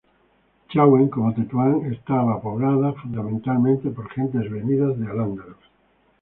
Chauen, como Tetuán, estaba poblada fundamentalmente por gentes venidas de al-Ándalus.